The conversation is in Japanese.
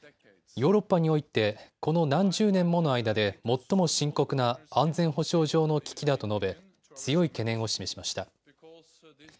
ヨーロッパにおいて、この何十年もの間で最も深刻な安全保障上の危機だと述べ、強い懸念を示しました。